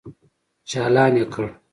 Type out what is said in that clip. چالان يې کړ.